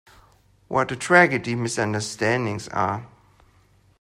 What a tragedy misunderstandings are.